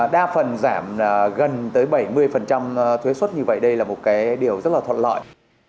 đa phần giảm gần tới bảy mươi thuế xuất như vậy đây là một cái điều rất là thuận lợi